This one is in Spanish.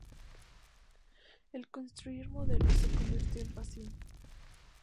El construir modelos se convirtió en pasión.